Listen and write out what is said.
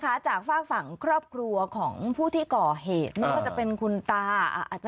อาจจะเป็นเมื่อไหร่นะครับ